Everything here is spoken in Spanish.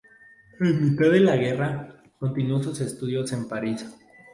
En mitad de la guerra, continuó sus estudios en París.